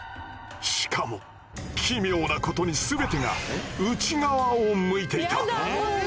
しかも奇妙なことに全てが内側を向いていた。